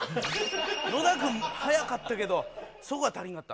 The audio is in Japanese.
野田君速かったけどそこが足りんかった。